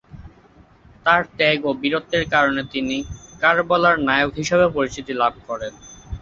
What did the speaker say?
তার ত্যাগ ও বীরত্বের কারণে তিনি "কারবালার নায়ক" হিসাবে পরিচিতি লাভ করেন।